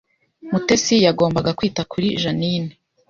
Mutesi yagombaga kwita kuri Jeaninne